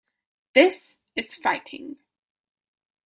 This is fighting.